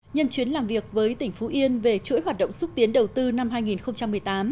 nhân chuyến làm việc với tỉnh phú yên về chuỗi hoạt động xúc tiến đầu tư năm hai nghìn một mươi tám